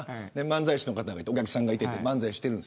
漫才師がいてお客さんがいて漫才している。